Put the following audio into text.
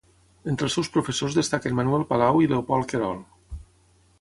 Entre els seus professors destaquen Manuel Palau i Leopold Querol.